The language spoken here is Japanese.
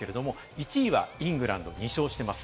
１位はイングランド、２勝してます。